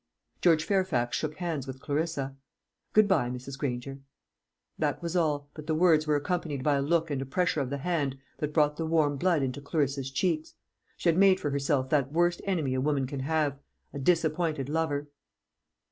George Fairfax shook hands with Clarissa. "Good bye, Mrs. Granger." That was all, but the words were accompanied by a look and a pressure of the hand that brought the warm blood into Clarissa's cheeks. She had made for herself that worst enemy a woman can have a disappointed lover.